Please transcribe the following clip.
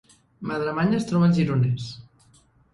Madremanya es troba al Gironès